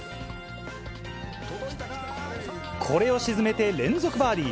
これを沈めて連続バーディー。